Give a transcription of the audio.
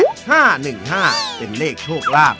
สวัสดีครับ